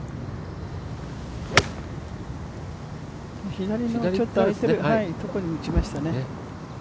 左の空いているところに打ちましたね。